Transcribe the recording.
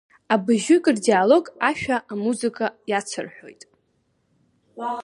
Абыжьҩык рдиалог ашәа амузыка иацырҳәоит.